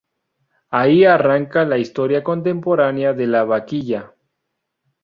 Ahí arranca la historia contemporánea de la Vaquilla.